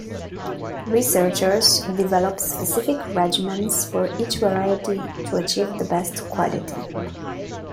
Researchers develop specific regimens for each variety to achieve the best quality.